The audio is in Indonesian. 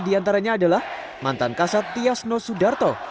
diantaranya adalah mantan kasat tiasno sudarto